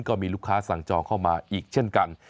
ก็มีลูกค้าสั่งจองเข้ามาอีกเช่นกัน